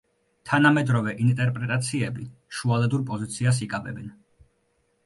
თანამედროვე ინტერპრეტაციები შუალედურ პოზიციას იკავებენ.